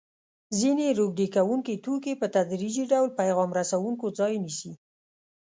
ځیني روږدي کوونکي توکي په تدریجي ډول پیغام رسوونکو ځای نیسي.